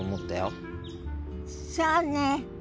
そうね。